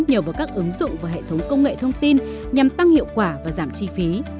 nhờ vào các ứng dụng và hệ thống công nghệ thông tin nhằm tăng hiệu quả và giảm chi phí